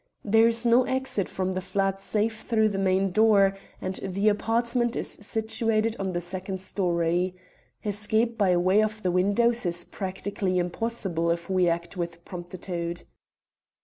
There is no exit from the flat save through the main door, and the apartment is situated on the second storey. Escape by way of the windows is practically impossible if we act with promptitude."